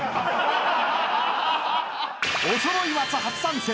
［おそろい松初参戦］